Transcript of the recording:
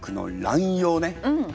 うん。